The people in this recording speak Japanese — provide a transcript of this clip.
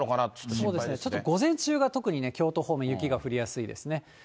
そうですね、ちょっと午前中が特にね、京都方面、雪が降りやすいですね。